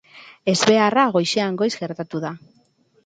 Ezbeharra goizean goiz gertatu da.